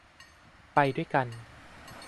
ไปด้วยกัน